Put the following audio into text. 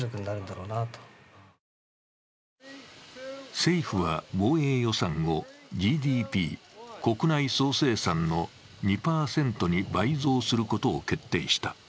政府は防衛予算をＧＤＰ＝国内総生産の２％に倍増することを決定した。